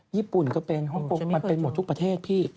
ญี่ปุ่นก็เป็นฮ่องกงมันเป็นหมดทุกประเทศพี่